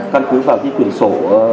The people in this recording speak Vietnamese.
căn cứ vào cái quyển sổ